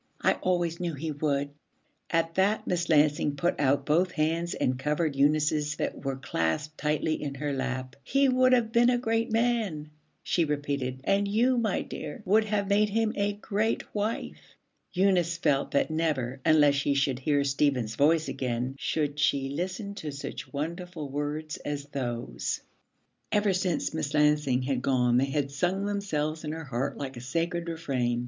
I always knew he would.' At that Miss Lansing put out both hands and covered Eunice's that were clasped tightly in her lap. 'He would have been a great man,' she repeated, 'and you, my dear, would have made him a great wife.' Eunice felt that never, unless she should hear Stephen's voice again, should she listen to such wonderful words as those. Ever since Miss Lansing had gone they had sung themselves in her heart like a sacred refrain.